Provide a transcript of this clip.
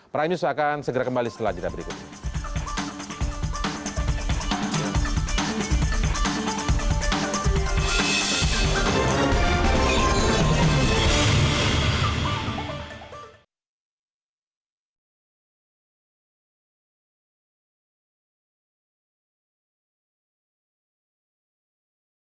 prime news akan segera kembali setelah jadwal berikutnya